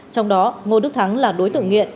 trong đó ngô đức thắng là đối tượng nghiện